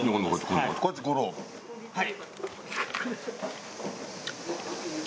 はい。